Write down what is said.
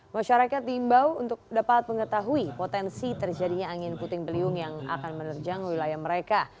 masyarakat diimbau untuk dapat mengetahui potensi terjadinya angin puting beliung yang akan menerjang wilayah mereka